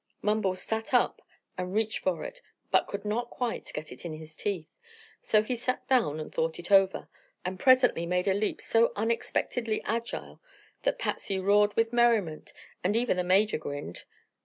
Mumbles sat up and reached for it, but could not quite get it in his teeth. So he sat down and thought it over, and presently made a leap so unexpectedly agile that Patsy roared with merriment and even the Major grinned.